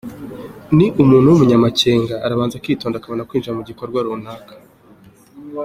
Ni umuntu w’umunyamakenga, arabanza akitonda akabona kwinjira mu gikorwa runaka.